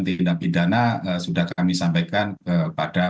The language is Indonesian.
tindak pidana sudah kami sampaikan kepada